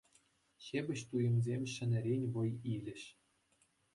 Ҫепӗҫ туйӑмсем ҫӗнӗрен вӑй илӗҫ.